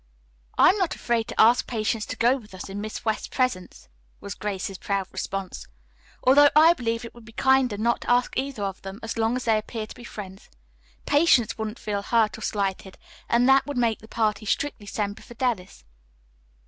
"I am not afraid to ask Patience to go with us in Miss West's presence," was Grace's proud response, "although I believe it would be kinder not to ask either of them as long as they appear to be friends. Patience wouldn't feel hurt or slighted, and that would make the party strictly Semper Fidelis."